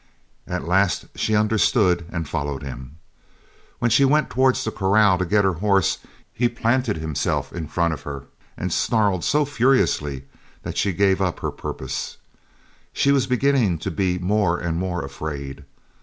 At last she understood and followed him. When she went towards the corral to get her horse, he planted himself in front of her and snarled so furiously that she gave up her purpose. She was beginning to be more and more afraid.